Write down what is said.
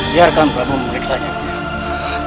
biarkan saya memeriksa nyatanya